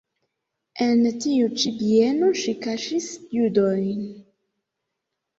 En tiu ĉi bieno ŝi kaŝis judojn.